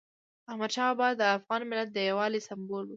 احمدشاه بابا د افغان ملت د یووالي سمبول و.